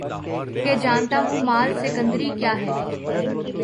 کہ جانتا ہوں مآل سکندری کیا ہے